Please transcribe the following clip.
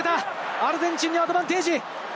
アルゼンチンにアドバンテージ。